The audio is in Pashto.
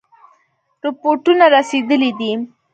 رپوټونه رسېدلي دي.